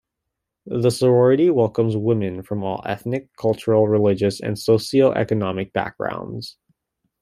The sorority welcomes women from all ethnic, cultural, religious and socio-economic backgrounds.